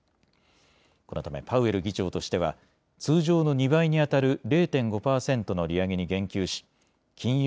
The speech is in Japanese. このためパウエル議長としては通常の２倍にあたる０．５％の利上げに言及し金融